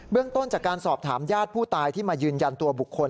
เรื่องต้นจากการสอบถามญาติผู้ตายที่มายืนยันตัวบุคคล